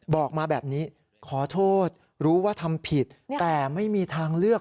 บอกมาแบบนี้ขอโทษรู้ว่าทำผิดแต่ไม่มีทางเลือก